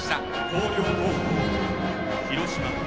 広陵高校・広島。